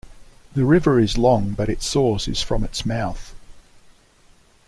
The river is long but its source is from its mouth.